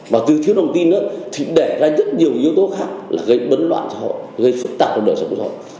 và từ thiếu đồng tin đó thì để ra rất nhiều yếu tố khác là gây bấn loạn cho họ gây phức tạp cho đời sống của họ